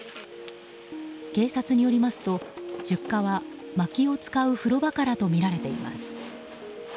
警察によりますと出火は、まきを使う風呂場からとみられています。